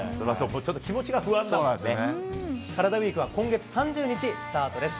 ちょっと気持ちが不安なんだカラダＷＥＥＫは今月３０日スタートです。